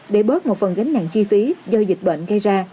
để bớt một phần gánh nặng chi phí do dịch bệnh gây ra